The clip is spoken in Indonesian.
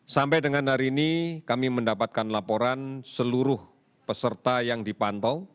sampai dengan hari ini kami mendapatkan laporan seluruh peserta yang dipantau